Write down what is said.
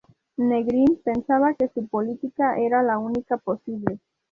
Negrín pensaba que su política era la única posible.